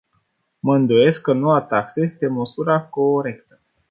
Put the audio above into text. Mă îndoiesc că noua taxă este măsura corectă.